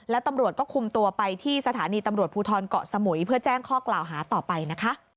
และตำรวจก็คุมตัวไปที่สถานีตำรวจภูทรเกาะสมุยเพื่อแจ้งข้อกล่าวหาต่อไปนะคะ